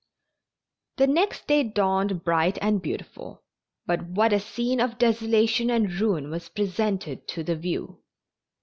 The next day dawned bright and beautiful, but what a scene of desolation and ruin was presented to the view!